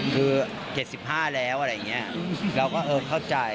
คือ๗๕แล้วอะไรอย่างนี้เราก็เออเข้าใจ